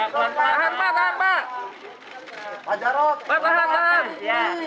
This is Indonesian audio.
keselamatan mimpi di palla diri ini